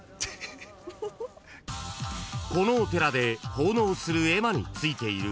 ［このお寺で奉納する絵馬についている］